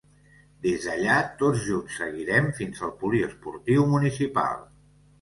Des d'allà, tots junts seguirem fins al Poliesportiu Municipal.